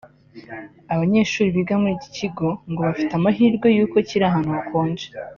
Abanyeshuri biga muri iki kigo ngo bafite amahirwe y’uko kiri ahantu hakonje